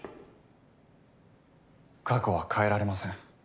過去は変えられません。